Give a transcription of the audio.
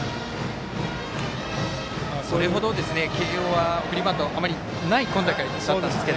それほど慶応は送りバントあまりない今大会だったんですが。